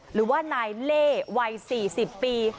หรือว่านายเล่วัย๔๐ปี